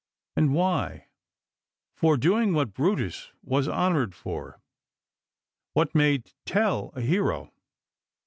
And why ? For doing what Brutus was honored for — what made Tell a hero."